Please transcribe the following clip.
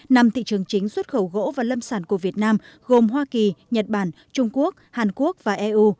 năm thị trường chính xuất khẩu gỗ và lâm sản của việt nam gồm hoa kỳ nhật bản trung quốc hàn quốc và eu